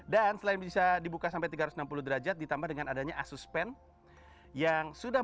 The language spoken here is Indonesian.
dan selain bisa dibuka sampai tiga ratus enam puluh derajat ditambah dengan adanya asus pen yang sudah